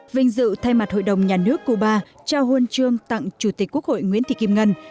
vinh dự thay mặt hội đồng nhà nước cuba trao huân chương tặng chủ tịch quốc hội nguyễn thị kim ngân